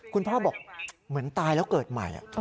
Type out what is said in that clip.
พ่อบอกเหมือนตายแล้วเกิดใหม่